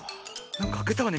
なんかあけたわね